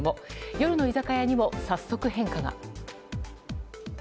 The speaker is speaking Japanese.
夜の居酒屋にも早速、変化が。